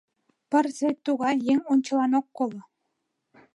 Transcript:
Пырыс вет тугай: еҥ ончылан ок коло...